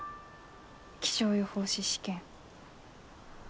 気象予報士試験。